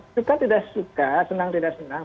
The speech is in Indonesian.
suka tidak suka senang tidak senang